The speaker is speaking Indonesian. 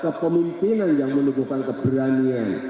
kepemimpinan yang menutupkan keberanian